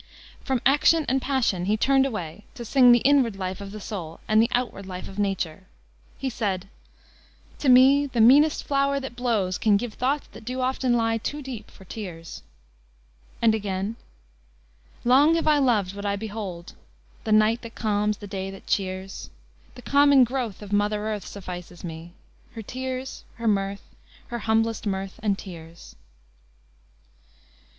From action and passion he turned away to sing the inward life of the soul and the outward life of Nature. He said: "To me the meanest flower that blows can give Thoughts that do often lie too deep for tears." And again: "Long have I loved what I behold, The night that calms, the day that cheers; The common growth of mother earth Suffices me her tears, her mirth, Her humblest mirth and tears."